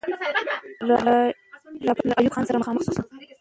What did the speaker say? رایپټ له ایوب خان سره مخامخ سو.